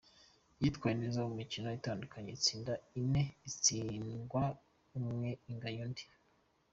Yitwaye neza mu mikino itandatu itsinda ine, itsindwa umwe inganya undi.